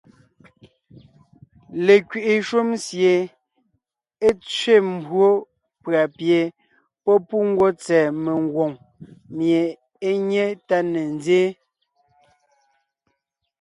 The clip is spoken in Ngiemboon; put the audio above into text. Lekwiʼi shúm sie é tsẅé mbwó pʉ̀a pie pɔ́ pú ngwɔ́ tsɛ̀ɛ mengwòŋ mie é nyé tá ne nzyéen.